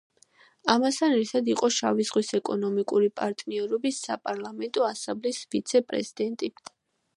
ამასთან ერთად იყო შავი ზღვის ეკონომიკური პარტნიორობის საპარლამენტო ასამბლეის ვიცე-პრეზიდენტი.